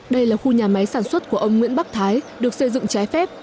đây là khu nhà máy sản xuất của ông nguyễn bắc thái được xây dựng trái phép